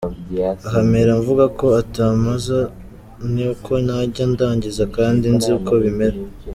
Aho mpera mvuga ko atampaza ni uko ntajya ndangiza kandi nzi uko bimera.